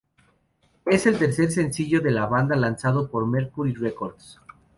Es el tercer sencillo de la banda lanzado por Mercury Records.